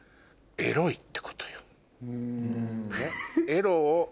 エロを。